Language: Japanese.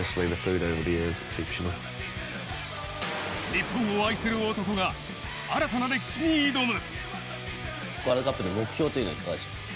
日本を愛する男が新たな歴史に挑む。